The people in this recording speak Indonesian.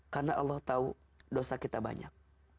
karena allah tahu dosa kita banyak